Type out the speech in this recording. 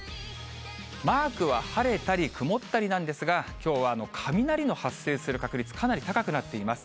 マークは晴れたり曇ったりなんですが、きょうは雷の発生する確率、かなり高くなっています。